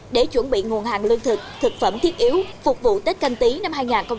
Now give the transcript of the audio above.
để chuẩn bị nguồn hàng lương thực thực phẩm thiết yếu phục vụ tết canh tí năm hai nghìn hai mươi